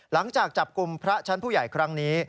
หลังจากจับกลุ่มพระชั้นผู้ใหญ่ครั้งนี้